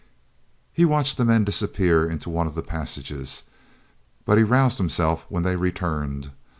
He watched the men disappear into one of the passages, but he roused himself when they returned.